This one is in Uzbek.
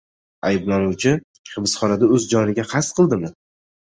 Ayblanuvchi hibsxonada o‘z joniga qasd qildimi?